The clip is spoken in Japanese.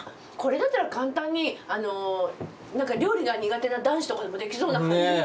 これだったら簡単に料理が苦手な男子とかでもできそうな感じ。